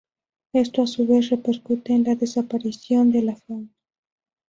Esto a su vez repercute en la desaparición de la fauna.